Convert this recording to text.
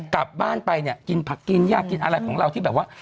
กลับบ้านไปเนี่ยกินผักกินยากกินอะไรของเราที่แบบว่า